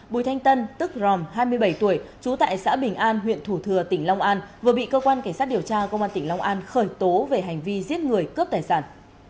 bùi thanh tân tức ròm hai mươi bảy tuổi trú tại xã bình an huyện thủ thừa tỉnh long an vừa bị cơ quan cảnh sát điều tra công an tỉnh long an khởi tố về hành vi giết người cướp tài sản